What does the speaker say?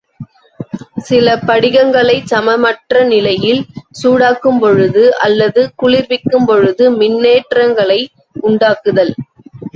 சில படிகங்களைச் சமமற்ற நிலையில் சூடாக்கும் பொழுது அல்லது குளிர்விக்கும்பொழுது மின்னேற்றங்களை உண்டாக்குதல்.